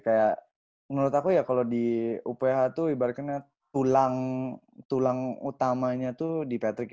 kayak menurut aku ya kalau di uph itu ibaratnya tulang utamanya tuh di patrick